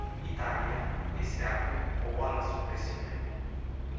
Italia este acum o oală sub presiune.